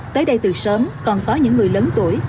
tới đây từ sớm còn có những người lớn tuổi